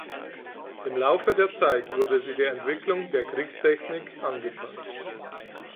Im Laufe der Zeit wurde sie der Entwicklung der Kriegstechnik angepasst.